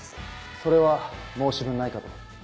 それは申し分ないかと。